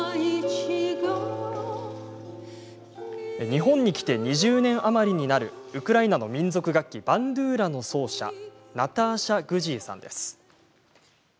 日本に来て２０年余りになるウクライナの民族楽器バンドゥーラの奏者ナターシャ・グジーさんです。